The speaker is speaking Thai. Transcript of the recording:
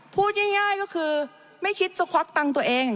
พูดง่ายก็คือไม่คิดจะควักตังค์ตัวเอง